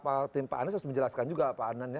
pak tim pak anies harus menjelaskan juga pak anan